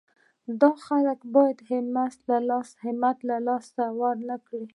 دا خلک باید همت له لاسه ورنه کړي.